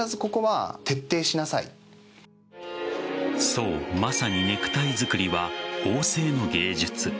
そう、まさにネクタイ作りは縫製の芸術。